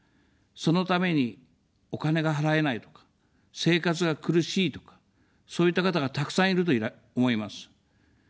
そのためにお金が払えないとか、生活が苦しいとか、そういった方がたくさんいると思います。